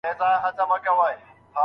په حقيقت کي دنيا د ژوند تيرولو اسباب دي.